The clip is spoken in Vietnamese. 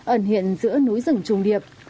ẩn hiện giữa núi rừng trùng điệp